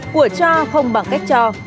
của cho không bằng cách cho